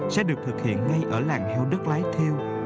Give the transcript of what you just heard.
sẽ được thực hiện ngay ở làng heo đất lái theo